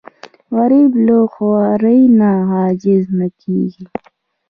غریب له خوارۍ نه عاجز نه کېږي